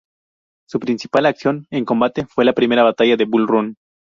Su principal acción en combate fue la Primera batalla de Bull Run.